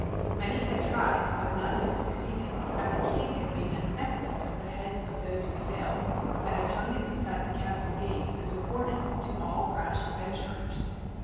Many had tried, but none had succeeded, and the King had made a necklace of the heads of those who failed, and had hung it beside the castle gate as a warning to all rash adventurers.